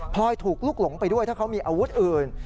ถูกลุกหลงไปด้วยถ้าเขามีอาวุธอื่น